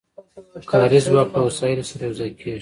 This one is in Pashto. کاري ځواک له وسایلو سره یو ځای کېږي